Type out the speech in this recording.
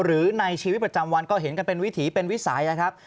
หรือในชีวิตประจำวันก็เห็นกันเป็นวิถีเป็นวิสัยนะครับ